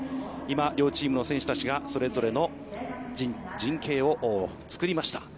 今、両チームの選手たちがそれぞれの陣形をつくりました。